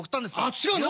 「違うの？」。